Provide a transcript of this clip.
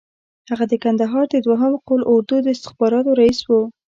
هغه د کندهار د دوهم قول اردو د استخباراتو رییس وو.